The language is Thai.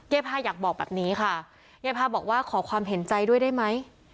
พาอยากบอกแบบนี้ค่ะยายพาบอกว่าขอความเห็นใจด้วยได้ไหม